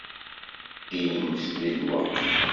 Ilimt deg lweqt.